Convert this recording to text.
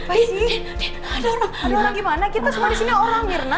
ada orang gimana kita semua disini orang mirna